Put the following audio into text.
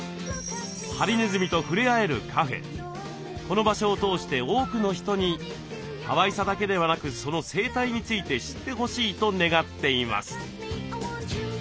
この場所を通して多くの人にかわいさだけではなくその生態について知ってほしいと願っています。